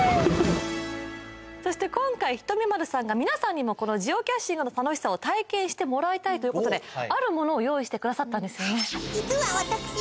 そして今回ひとみ○さんが皆さんにもこのジオキャッシングの楽しさを体験してもらいたいということであるものを用意してくださったんですよね